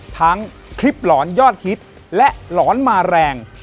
ทั้งคลิปหลอนยอดฮิตและหลอนมาแรง